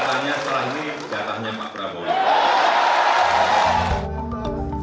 kelihatannya selanjutnya kejahatannya pak prabowo